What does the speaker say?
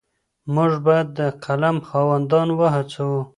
موږ بايد د قلم خاوندان وهڅوو.